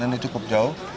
ini cukup jauh